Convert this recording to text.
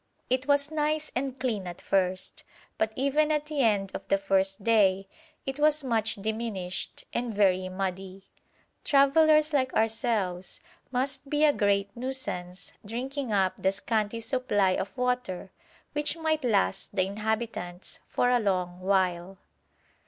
It was nice and clean at first, but even at the end of the first day it was much diminished and very muddy. Travellers like ourselves must be a great nuisance drinking up the scanty supply of water which might last the inhabitants for a long while.